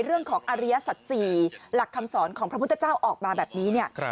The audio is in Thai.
เรื่องของอริยสัตว์ศรีหลักคำสอนของพระพุทธเจ้าออกมาแบบนี้เนี่ย